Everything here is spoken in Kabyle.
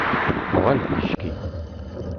Uɣal-d ticki.